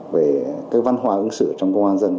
về cái văn hóa ứng xử trong công an dân